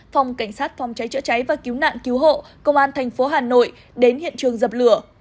phòng cảnh sát phòng cháy chữa cháy và cứu nạn cứu hộ công an thành phố hà nội đến hiện trường dập lửa